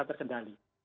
dan bisa terkendali